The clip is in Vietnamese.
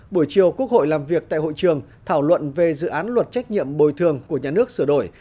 buổi chiều quốc hội làm việc tại hội trường thảo luận về dự án luật trách nhiệm bồi thường của nhà nước sửa đổi